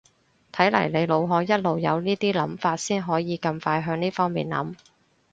睇嚟你腦海一路有呢啲諗法先可以咁快向呢方面諗